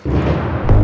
jangan untuk nafas